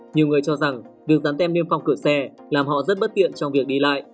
nhiều người cho rằng việc dán tem niêm phong cửa xe làm họ rất bất tiện trong việc đi lại